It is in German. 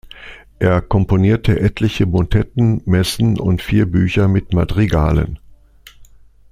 Er komponierte etliche Motetten, Messen und vier Bücher mit Madrigalen.